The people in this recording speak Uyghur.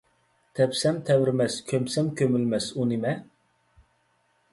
« تەپسەم تەۋرىمەس ، كۆمسەم كۆمۇلمەس» ئۇ نىمە ؟